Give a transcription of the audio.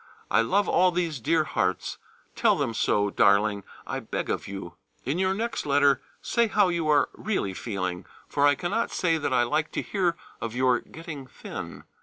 I love all these dear hearts: tell them so, darling, I beg of you.... In your next letter say how you are really feeling, for I cannot say that I like to hear of your getting thin.